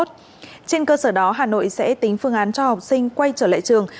trên cơ sở đó hà nội sẽ tính phương án cho học sinh quay trở lại trường